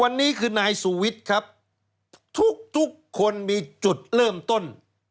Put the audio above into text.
วันนี้คือนายสุวิทย์ครับทุกทุกคนมีจุดเริ่มต้น